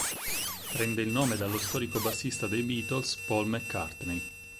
Prende il nome dallo storico bassista dei Beatles, Paul McCartney.